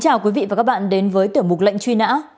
chào quý vị và các bạn đến với tiểu mục lệnh truy nã